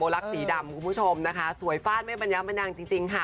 รักสีดำคุณผู้ชมนะคะสวยฟาดแม่ปัญญาบันนังจริงค่ะ